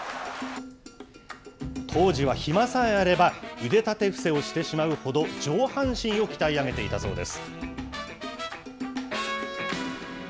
当時は暇さえあれば、腕立て伏せをしてしまうほど、上半身を鍛え上げていたそうです。